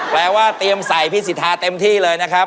แปลว่าเตรียมใส่พี่สิทธาเต็มที่เลยนะครับ